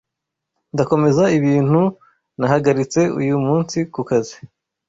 Ndakomeza ibintu Nahagaritse uyu munsikukazi